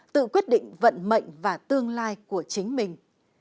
tự quyết định vận mệnh và tương lai của chính mình